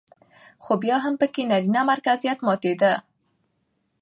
خو بيا هم پکې نرينه مرکزيت ماتېده